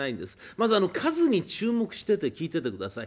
まず数に注目してて聴いててください。